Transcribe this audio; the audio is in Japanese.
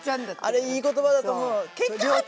あれいい言葉だと思う。